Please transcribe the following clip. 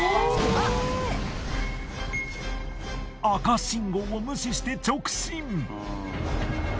赤信号を無視して直進。